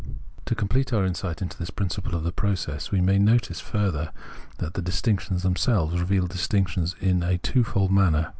To complete our insight into the principle of this process, we may notice, further, that the dis tinctions themselves reveal distinction in a twofold manner.